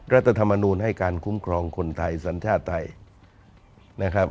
รัฐธรรมนูลให้การคุ้มครองคนไทยสัญชาติไทยนะครับ